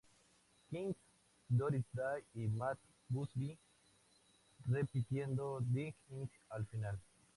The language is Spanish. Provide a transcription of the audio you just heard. King, Doris Day y Matt Busby, repitiendo "dig it" al final.